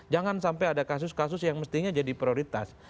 jangan sampai ada kasus kasus yang mestinya jadi prioritas